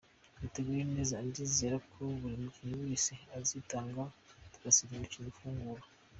Twiteguye neza, ndizera ko buri mukinnyi wese azitanga tugatsinda umukino ufungura.